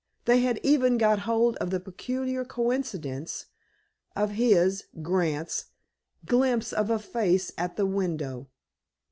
They had even got hold of the "peculiar coincidence" of his (Grant's) glimpse of a face at the window.